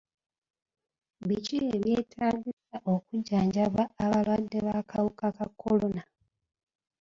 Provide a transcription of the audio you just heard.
Biki ebyetaagisa okujjanjaba abalwadde b'akawuka ka kolona?